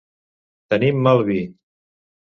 Tenir mal vi.